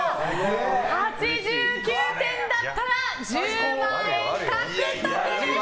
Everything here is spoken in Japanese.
８９点だったら１０万円獲得です。